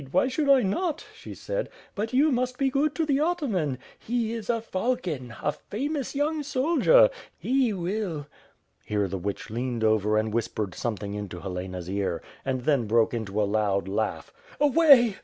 Why should I not/' she said. "But you must be good to the ataman. He is a falcon, a famous young soldier. He will. ..." Here the witch leaned over and whispered something into Helena's ear, and then broke into a loud laugh. "Away!"